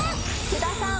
津田さん。